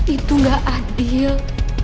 itu gak adil